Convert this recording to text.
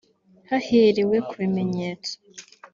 Haherewe ku bimenyetso